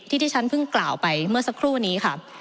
ที่ที่ฉันเพิ่งกล่าวไปเมื่อสักครู่นี้ค่ะ